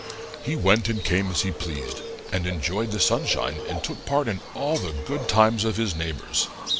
He went and came as he pleased, and enjoyed the sunshine and took part in all the good times of his neighbors.